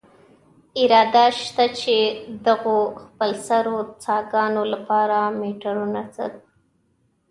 اراده شته، چې دغو خپلسرو څاګانو له پاره میټرونه نصب.